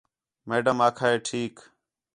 میڈم آکھا ہے ٹھیک